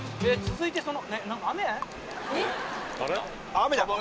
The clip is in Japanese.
雨だ。